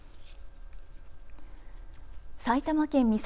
埼玉県美里